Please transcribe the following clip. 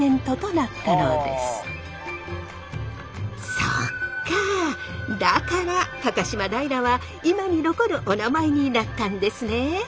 そっかだから高島平は今に残るおなまえになったんですね。